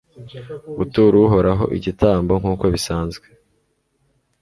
gutura uhoraho igitambo nk'uko bisanzwe